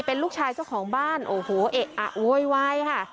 เป็นลูกชายเจ้าของบ้านโอ้โหเอะอะโวยวายค่ะ